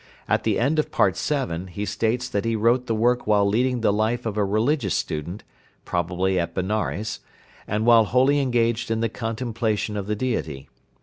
At the end of Part VII. he states that he wrote the work while leading the life of a religious student [probably at Benares] and while wholly engaged in the contemplation of the Deity.